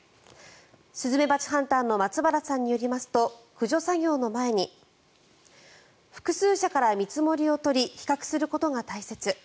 スズメバチハンターの松原さんによりますと駆除作業の前に複数社から見積もりを取り比較することが大切